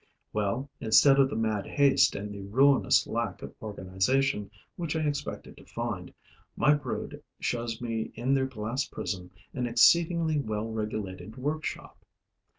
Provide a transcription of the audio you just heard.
Well, instead of the mad haste and the ruinous lack of organization which I expected to find, my broods show me in their glass prison an exceedingly well regulated workshop.